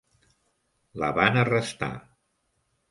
La van arrestar.